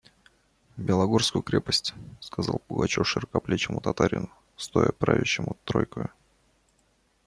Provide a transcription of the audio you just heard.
«В Белогорскую крепость!» – сказал Пугачев широкоплечему татарину, стоя правящему тройкою.